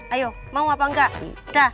ayo mau apa enggak dah